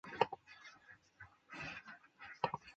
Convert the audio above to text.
多花杜鹃为杜鹃花科杜鹃属下的一个种。